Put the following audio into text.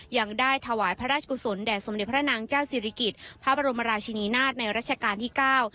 ยังได้ถวายพระราชกุศลแด่สมเด็จพระนางเจ้าศิริกิจพระบรมราชินีนาฏในรัชกาลที่เก้า